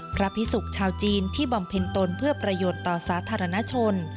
พระพิสุกชาวจีนที่บำเพ็ญตนเพื่อประโยชน์ต่อสาธารณชน